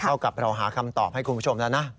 เท่ากับเราหาคำตอบให้คุณผู้ชมแล้วนะ